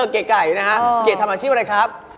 เก๋ไก่นะฮะเก๋ทำอาชีพอะไรครับ